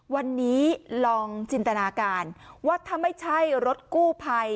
วันนี้ลองจินตนาการว่าถ้าไม่ใช่รถกู้ภัย